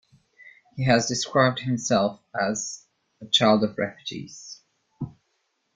He has described himself as a "child of refugees".